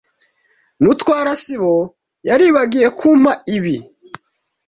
Mutwara sibo yari bagiyekumpa ibi.